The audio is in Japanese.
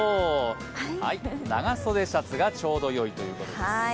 長袖シャツがちょうどよいということです。